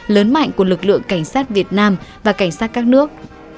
lớn mạnh của lực lượng cảnh sát việt nam và cảnh sát các nước